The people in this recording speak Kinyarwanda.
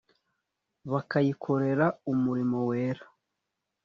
bakayikorera umurimo wera